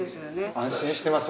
安心してます